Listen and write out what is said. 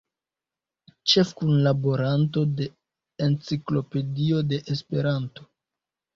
Ĉefkunlaboranto de Enciklopedio de Esperanto.